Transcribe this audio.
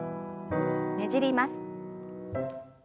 ねじります。